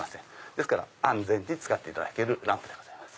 ですから安全に使っていただけるランプでございます。